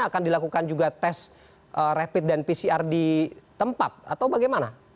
akan dilakukan juga tes rapid dan pcr di tempat atau bagaimana